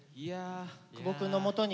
久保くんのもとに。